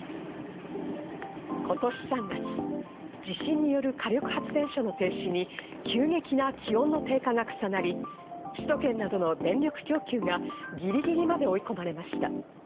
今年３月、地震による火力発電所の停止に急激な気温の低下が重なり、首都圏などの電力供給がぎりぎりまで追い込まれました。